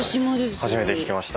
初めて聞きました。